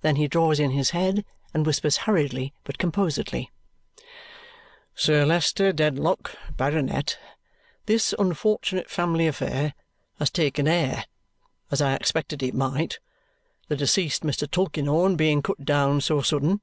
Then he draws in his head and whispers hurriedly but composedly, "Sir Leicester Dedlock, Baronet, this unfortunate family affair has taken air, as I expected it might, the deceased Mr. Tulkinghorn being cut down so sudden.